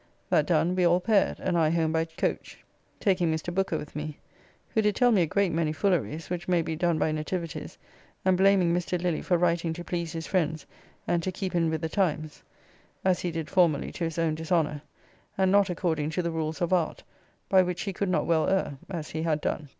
That done, we all pared; and I home by coach, taking Mr. Booker' with me, who did tell me a great many fooleries, which may be done by nativities, and blaming Mr. Lilly for writing to please his friends and to keep in with the times (as he did formerly to his own dishonour), and not according to the rules of art, by which he could not well err, as he had done.